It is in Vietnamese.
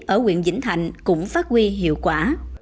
ở quyền vĩnh thành cũng phát huy hiệu quả